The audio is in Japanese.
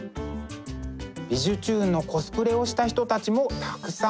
「びじゅチューン！」のコスプレをした人たちもたくさん！